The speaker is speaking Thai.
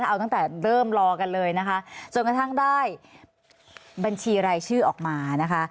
เอาตั้งแต่เริ่มรอกันเลยนะคะจนกระทั่งได้บัญชีรายชื่อออกมานะคะ